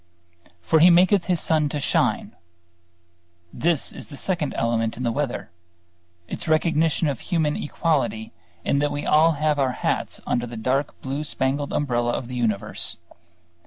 "For He maketh His sun to shine...." This is the second element in the weather; its recognition of human equality in that we all have our hats under the dark blue spangled umbrella of the universe.